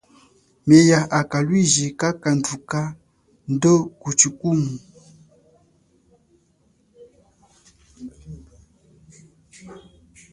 Myea a kalwiji kakadhuka ndo kuchikuma.